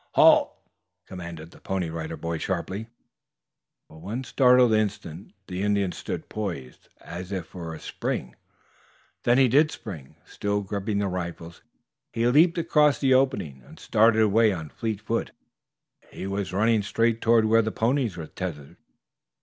"Halt!" commanded the Pony Rider boy sharply. For one startled instant the Indian stood poised as if for a spring. Then he did spring. Still gripping the rifles, he leaped across the opening and started away on fleet feet. He was running straight toward where the ponies were tethered.